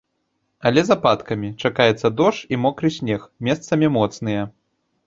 Але з ападкамі, чакаецца дождж і мокры снег, месцамі моцныя.